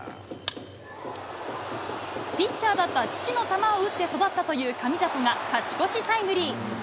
ピッチャーだった父の球を打って育ったという神里が勝ち越しタイムリー。